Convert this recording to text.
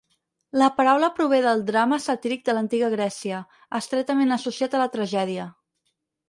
La paraula prové del drama satíric de l'Antiga Grècia, estretament associat a la tragèdia.